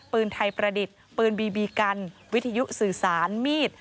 ปืนไทยประดิษฐ์ปืนบีบีกันวิทยุสื่อสารมีด